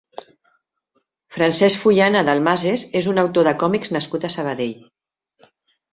Francesc Fullana Dalmases és un autor de còmics nascut a Sabadell.